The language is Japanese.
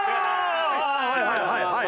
はいはいはいはい。